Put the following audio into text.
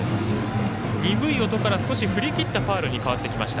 鈍い音から少し振り切ったファウルに変わってきました。